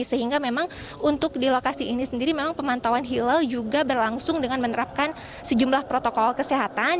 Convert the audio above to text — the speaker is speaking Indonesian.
sehingga memang untuk di lokasi ini sendiri memang pemantauan hilal juga berlangsung dengan menerapkan sejumlah protokol kesehatan